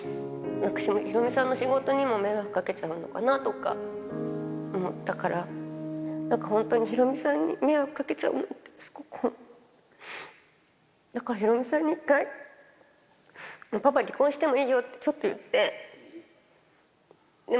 ヒロミさんの仕事にも迷惑かけちゃうのかなとか、思ったから、なんか本当にヒロミさんに迷惑かけちゃうなって、すごく、だからヒロミさんに１回、パパ離婚してもいいよってちょっと言って。